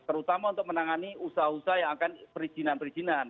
terutama untuk menangani usaha usaha yang akan perizinan perizinan